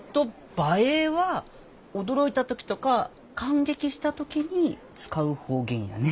「ばえー！」は驚いた時とか感激した時に使う方言やね。